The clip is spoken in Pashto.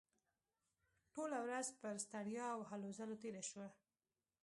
ټوله ورځ پر ستړیا او هلو ځلو تېره شوه